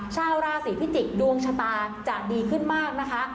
ชาวราศีพิจิกษ์ดวงชะตาจะดีขึ้นมากนะคะ